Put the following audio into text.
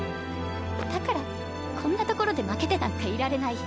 だからこんなところで負けてなんかいられない。